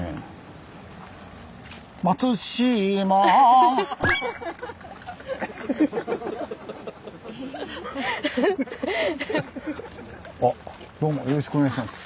まつしまあっどうもよろしくお願いします。